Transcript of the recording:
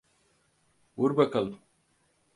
Vur bakalım.